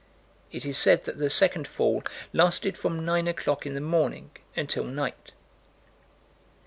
It is said that the second fall lasted from nine o'clock in the morning until night.